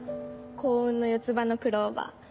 幸運の四つ葉のクローバー。